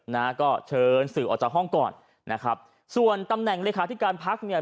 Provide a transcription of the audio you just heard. นะฮะก็เชิญสื่อออกจากห้องก่อนนะครับส่วนตำแหน่งเลขาธิการพักเนี่ย